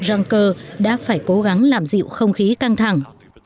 jean claude juncker đã phải cố gắng làm dịu không khí căng thẳng